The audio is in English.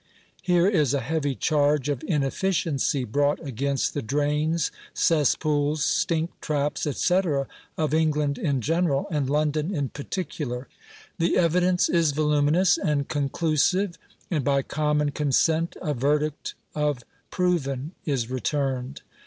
Jlere is a heavy charge of inefficiency brought against the drains, cesspools, stink trapg, &c., of England in general, and London in particular. The evidence is voluminous and conclusive, and by common consent a verdict of proven is re turned.